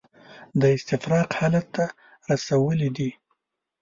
د استفراق حالت ته رسولي دي.